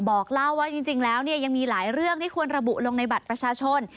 บอกเล่าว่าจริงแล้วเนี่ยยังมีหลายเรื่องที่ควรระบุลงในบัตรประชาชน